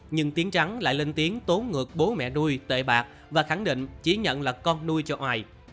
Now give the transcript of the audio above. nhưng tiên trắng lại lên tiếng tố ngược bố mẹ nuôi tệ bạc và khẳng định chỉ nhận là con nuôi cho oai